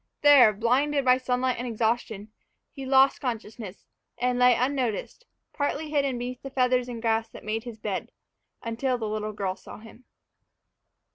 There, blinded by the sunlight and exhausted, he lost consciousness, and lay unnoticed, partly hidden beneath the feathers and grass that had made his bed, until the little girl saw him.